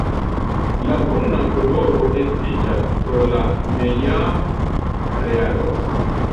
La bruna koloro estiĝas pro la Maillard-reago.